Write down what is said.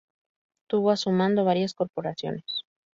Tuvo a su mando varias corporaciones.